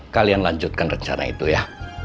kalian lanjutkan rencana itu ya